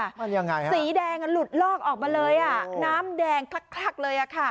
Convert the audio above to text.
น้ำยังไงครับสีแดงอะหลุดลอกออกมาเลยน้ำแดงคลักเลยอะค่ะ